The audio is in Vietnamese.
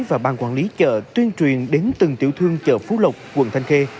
và ban quản lý chợ tuyên truyền đến từng tiểu thương chợ phú lộc quận thanh khê